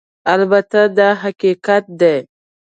البته دا حقیقت دی